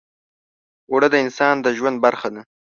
اوړه د انسان د ژوند برخه ده